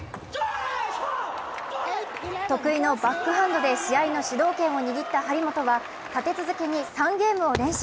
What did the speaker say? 得意のバックハンドで試合の主導権を握った張本は立て続けに３ゲームを連取。